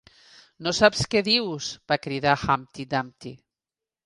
"No saps què dius!", va cridar Humpty Dumpty.